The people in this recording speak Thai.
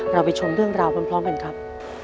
เราไปชมเรื่องราวพร้อมกันครับ